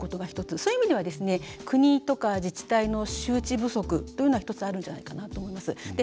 そういう意味では国とか自治体の周知不足というのが１つあるんじゃないかなと思います。